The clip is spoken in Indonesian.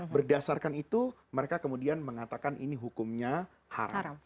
berdasarkan itu mereka kemudian mengatakan ini hukumnya haram